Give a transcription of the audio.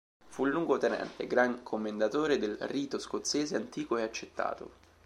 Fu Luogotenente gran commendatore del Rito scozzese antico e accettato.